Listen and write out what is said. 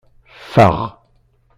Faɣ.